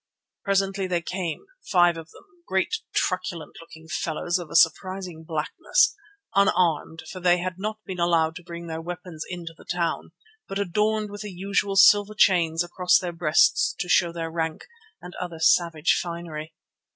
Presently they came, five of them, great, truculent looking fellows of a surprising blackness, unarmed, for they had not been allowed to bring their weapons into the town, but adorned with the usual silver chains across their breasts to show their rank, and other savage finery.